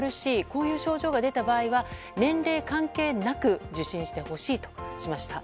こういう症状が出た場合は年齢関係なく受診してほしいとしました。